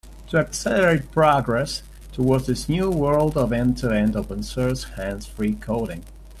To accelerate progress towards this new world of end-to-end open source hands-free coding.